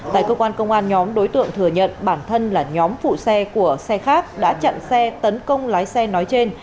tại cơ quan công an nhóm đối tượng thừa nhận bản thân là nhóm phụ xe của xe khác đã chặn xe tấn công lái xe nói trên